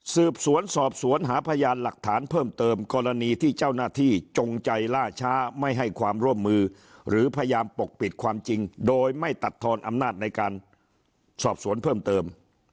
สืบสวนสอบสวนหาพยานหลักฐานเพิ่มเติมกรณีที่เจ้าหน้าที่จงใจล่าช้าไม่ให้ความร่วมมือหรือพยายามปกปิดความจริงโดยไม่ตัดทอนอำนาจในการสอบสวนเพิ่มเติม